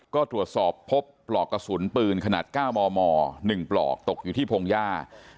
ก็ตรวจสอบพบปลอกกระสุนปืนขนาด๙มม๑ปลอกตกอยู่ที่พงหญ้า